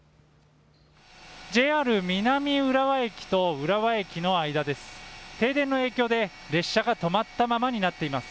ＪＲ南浦和駅と浦和駅の間です。